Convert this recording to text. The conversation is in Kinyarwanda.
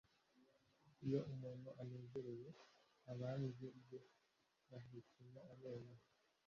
iyo umuntu anezerewe, abanzi be bahekenya amenyo